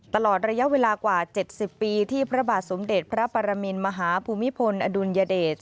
ตลอดระยะเวลากว่า๗๐ปีที่พระบาทสมเด็จพระปรมินมหาภูมิพลอดุลยเดช